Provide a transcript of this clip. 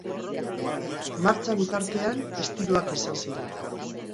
Martxa bitartean, istiluak izan ziren.